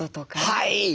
はい！